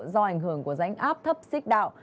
do ảnh hưởng của rãnh áp thấp xích đạo